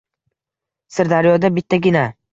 Sirdaryoda bittagina